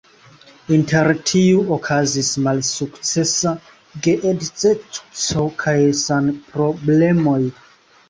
Inter tiu okazis malsukcesa geedzeco kaj sanproblemoj.